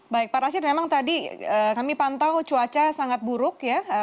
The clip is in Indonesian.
baik pak rashid memang tadi kami pantau cuaca sangat buruk ya